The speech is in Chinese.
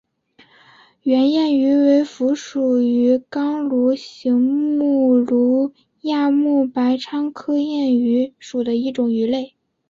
圆燕鱼为辐鳍鱼纲鲈形目鲈亚目白鲳科燕鱼属的一种鱼类。